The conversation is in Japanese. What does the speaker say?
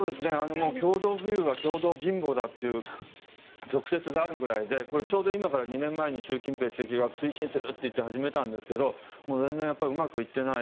共同富裕は共同貧乏だという俗説があるぐらいでこれ、ちょうど今から２年前に習近平主席が推進するといって始めたんですが全然うまくいっていない。